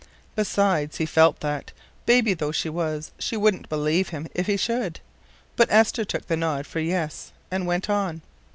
Besides, he felt that, baby though she was, she wouldn't believe him if he should. But Esther took the nod for yes, and went on.